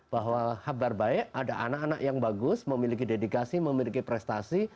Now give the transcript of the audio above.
bahwa kabar baik ada anak anak yang bagus memiliki dedikasi memiliki prestasi